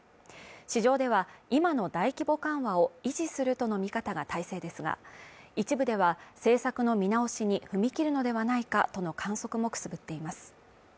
市場では、今の大規模緩和を維持するとの見方が大勢ですが、一部では政策の見直しに踏み切るのではないかとの観測もくすぶっています。